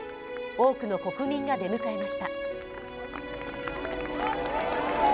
多くの国民が出迎えました。